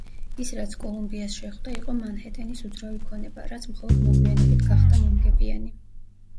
ის რაც კოლუმბიას შეხვდა იყო მანჰეტენის უძრავი ქონება, რაც მხოლოდ მოგვიანებით გახდა მომგებიანი.